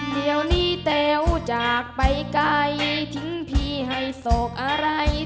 เดี๋ยวนี้เต๋วจากไปไกลทิ้งพี่ให้โศกอะไร